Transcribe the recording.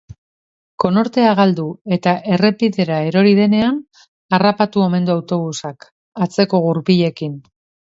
Konortea galdu eta errepidera erori denean harrapatu omen du autobusak, atzeko gurpilekin.